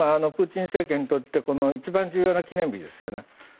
プーチン政権にとって一番重要な記念日ですよね。